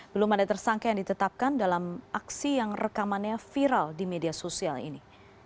belum ada tersangka yang ditetapkan dalam aksi yang rekamannya viral di media sosial ini